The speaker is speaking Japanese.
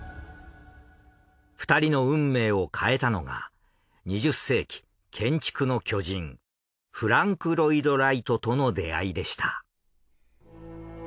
２人の運命を変えたのが２０世紀建築の巨人フランク・ロイド・ライトとの出会いでした。